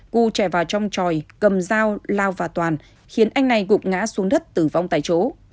cu chạy vào trong tròi cầm dao lao vào toàn khiến anh này gục ngã xuống đất tử vong tại chỗ